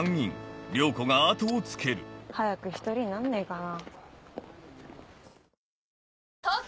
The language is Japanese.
チッ早く１人になんねえかな。